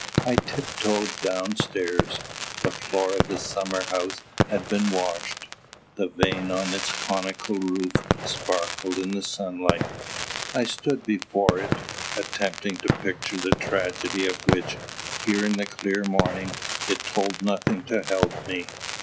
I tiptoed downstairs. The floor of the summer house had been washed. The vane on its conical roof sparkled in the sunlight. I stood before it, attempting to picture the tragedy of which, here in the clear morning, it told nothing to help me.